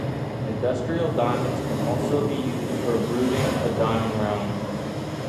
Industrial diamonds can also be used for bruting a diamond round.